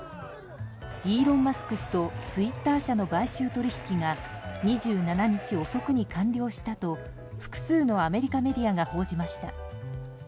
イーロン・マスク氏とツイッター社の買収取引が２７日遅くに完了したと複数のアメリカメディアが報じました。